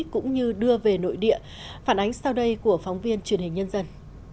cũng như đưa về nội địa phản ánh sau đây của phóng viên truyền hình nhân dân